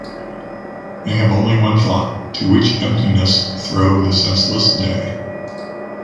They have only one thought: To which emptiness throw the senseless day?